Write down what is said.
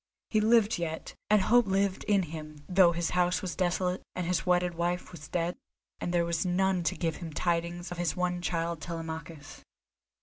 He lived yet, and hope lived in him though his house was desolate, and his wedded wife was dead, and there was none to give him tidings of his one child, Telemachus.